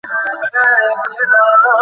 অনেক দূরে কোথাও চলে যাও।